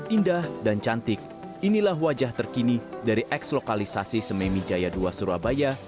indah dan cantik inilah wajah terkini dari eks lokalisasi sememi jaya ii surabaya